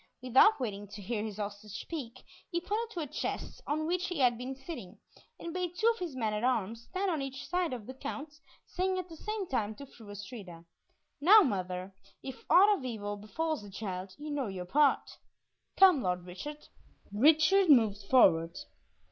Without waiting to hear his hostage speak, he pointed to a chest on which he had been sitting, and bade two of his men at arms stand on each side of the Count, saying at the same time to Fru Astrida, "Now, mother, if aught of evil befalls the child, you know your part. Come, Lord Richard." Richard moved forward.